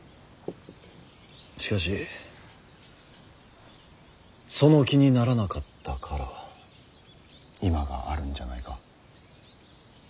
しかしその気にならなかったから今があるんじゃないか。